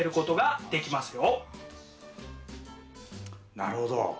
なるほど。